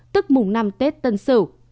tức mùng năm tết tân sửu